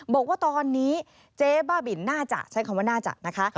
บอกว่าตอนนี้เจ๊บ้าบินน่าจะใช้คำว่าน่าจะนะคะ